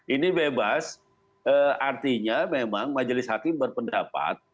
ini bebas artinya memang majelis hakim berpendapat